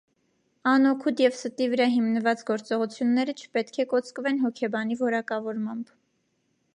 Անօգուտ և ստի վրա հիմնված գործողությունները չպետք է կոծկվեն հոգեբանի որակավորմամբ։